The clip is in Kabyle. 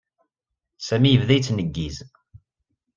Sami yebda yettneggiz.